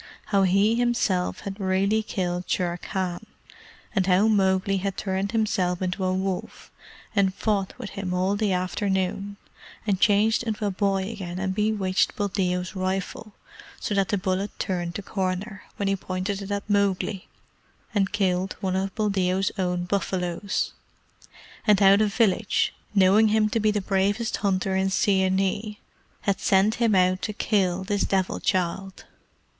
How he himself had really killed Shere Khan; and how Mowgli had turned himself into a wolf, and fought with him all the afternoon, and changed into a boy again and bewitched Buldeo's rifle, so that the bullet turned the corner, when he pointed it at Mowgli, and killed one of Buldeo's own buffaloes; and how the village, knowing him to be the bravest hunter in Seeonee, had sent him out to kill this Devil child.